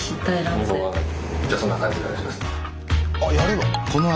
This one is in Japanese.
あやるの？